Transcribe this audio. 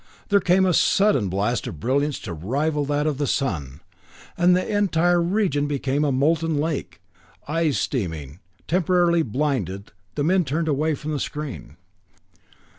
There came a sudden blast of brilliance to rival that of the sun and the entire region became a molten lake. Eyes streaming, temporarily blinded, the men turned away from the screen.